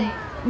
nhưng mà bố